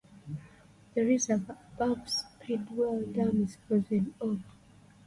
The reservoir above Speedwell Dam is frozen over.